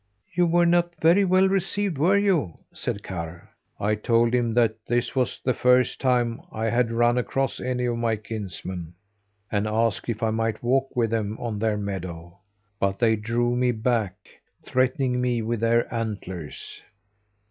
"You were not very well received, were you?" said Karr. "I told him that this was the first time I had run across any of my kinsmen, and asked if I might walk with them on their meadow. But they drove me back, threatening me with their antlers."